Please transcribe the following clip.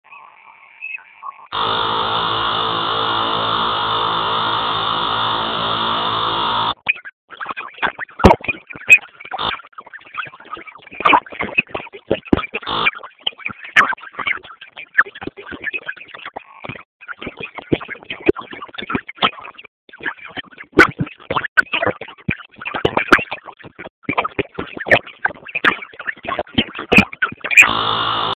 watoto wengi nchini tanzania wanalelewa na babu yao